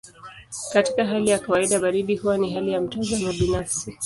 Katika hali ya kawaida baridi huwa ni hali ya mtazamo binafsi.